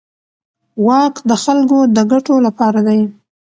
واک د خلکو د ګټو لپاره دی.